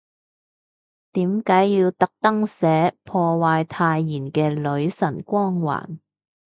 點解要特登寫，破壞太妍嘅女神光環